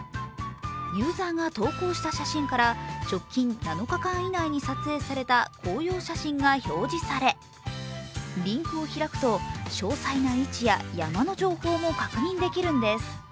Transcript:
ユーザーが投稿した写真から直近７日間以内に撮影された紅葉写真が表示され、リンクを開くと、詳細な位置や山の情報も確認できるんです。